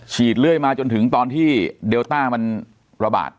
เรื่อยมาจนถึงตอนที่เดลต้ามันระบาด